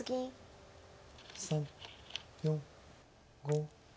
３４５。